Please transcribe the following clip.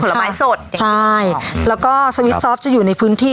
เป็นผลไม้สดใช่แล้วก็ซวิทซอฟต์จะอยู่ในพื้นที่